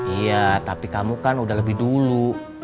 iya tapi kamu kan udah lebih dulu